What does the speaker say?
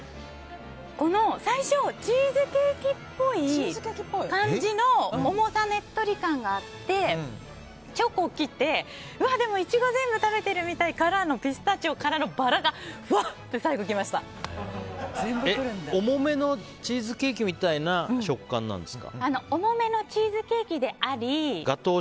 最初、チーズケーキっぽい感じの重さ、ねっとり感があってチョコが来てうわ、イチゴを全部食べてる！みたいなからのピスタチオからのバラが重めのチーズケーキみたいな重めのチーズケーキであり。